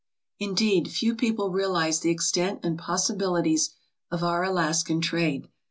Indeed, few people realize the extent and possibilities of our Alaskan trade.